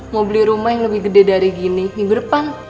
mau beli rumah yang lebih gede dari gini minggu depan